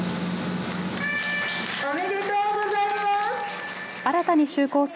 おめでとうございます。